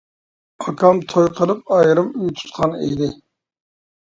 ئاكام توي قىلىپ ئايرىم ئۆي تۇتقان ئىدى.